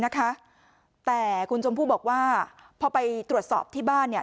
นะคะแต่คุณชมพู่บอกว่าพอไปตรวจสอบที่บ้านเนี่ย